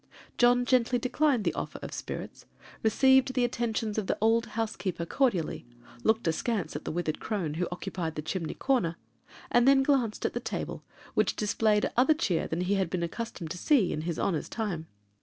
John gently declined the offer of spirits, received the attentions of the old housekeeper cordially, looked askance at the withered crone who occupied the chimney corner, and then glanced at the table, which displayed other cheer than he had been accustomed to see in his 'honor's time.'